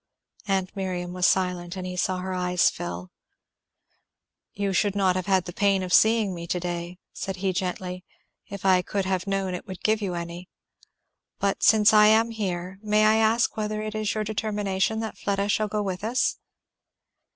Aunt Miriam was silent, and he saw her eyes fill. "You should not have had the pain of seeing me to day," said he gently, "if I could have known it would give you any; but since I am here, may I ask, whether it is your determination that Fleda shall go with us?"